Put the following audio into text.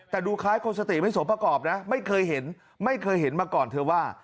แต่ดูคล้ายคนสติไม่สมประกอบนะไม่เคยเห็นไม่เคยเห็นมาก่อนเธอว่า